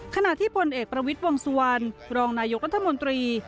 ขณะที่พลเอกประวิทย์วงสุวรรณรองนายกรัฐมนตรี